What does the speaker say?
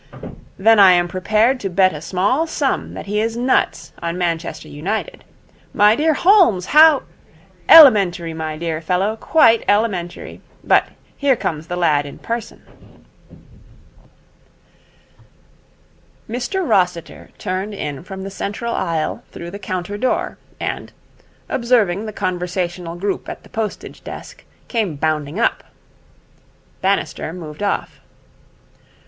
'Then I am prepared to bet a small sum that he is nuts on Manchester United. My dear Holmes, how ! Elementary, my dear fellow, quite elementary. But here comes the lad in person.' Mr Rossiter turned in from the central aisle through the counter door, and, observing the conversational group at the postage desk, came bounding up. Bannister moved off.